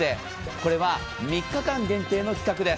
これは３日間限定の企画です。